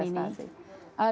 disitu ada prestasi prestasi